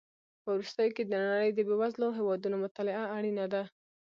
په وروستیو کې د نړۍ د بېوزلو هېوادونو مطالعه اړینه ده.